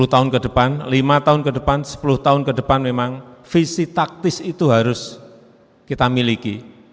sepuluh tahun ke depan lima tahun ke depan sepuluh tahun ke depan memang visi taktis itu harus kita miliki